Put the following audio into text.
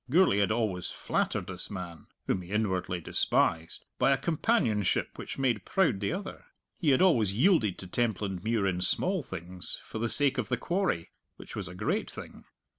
Gourlay had always flattered this man (whom he inwardly despised) by a companionship which made proud the other. He had always yielded to Templandmuir in small things, for the sake of the quarry, which was a great thing.